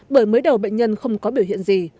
bởi mới đầu bệnh nhân không có biểu hiện gì